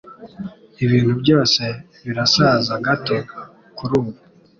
Ibintu byose birasaze gato kurubu.